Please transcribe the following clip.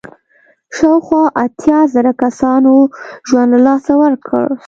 شاوخوا اتیا زره کسانو ژوند له لاسه ورکړ.